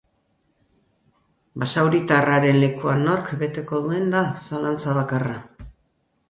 Basauritarraren lekua nork beteko duen da zalantza bakarra.